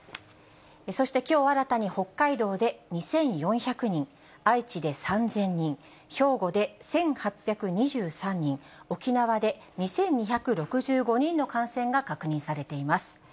そして、きょう新たに北海道で２４００人、愛知で３０００人、兵庫で１８２３人、沖縄で２２６５人の感染が確認されています。